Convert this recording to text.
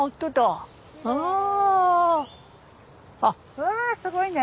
うわあすごいね。